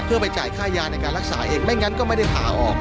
เพื่อไปจ่ายค่ายาในการรักษาเองไม่งั้นก็ไม่ได้ผ่าออก